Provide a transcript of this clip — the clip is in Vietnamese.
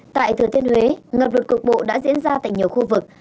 tại thừa thiên huế ngập đột cục bộ đã diễn ra tại nhiều khu vực